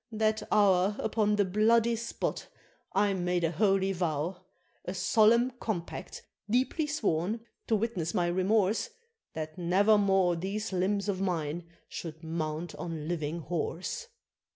That hour, upon the bloody spot, I made a holy vow; A solemn compact, deeply sworn, to witness my remorse, That never more these limbs of mine should mount on living horse!"